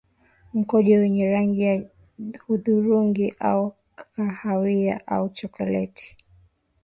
Mkojo wenye rangi ya hudhurungi au kahawia au chokoleti